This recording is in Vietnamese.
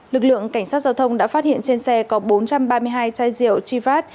lực lượng cảnh sát giao thông đã phát hiện trên xe có bốn trăm ba mươi hai chai rượu chivat